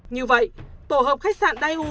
như vậy tổ hợp khách sạn dai u